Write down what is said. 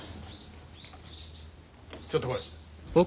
ちょっと来い。